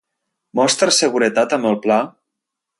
Mostra seguretat amb el pla?